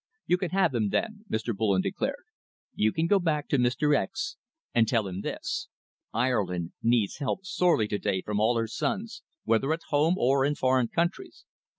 "You can have them, then," Mr. Bullen declared. "You can go back to Mr. X and tell him this. Ireland needs help sorely to day from all her sons, whether at home or in foreign countries.